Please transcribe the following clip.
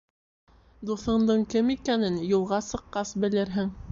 Дуҫыңдың кем икәнен юлға сыҡҡас белерһең.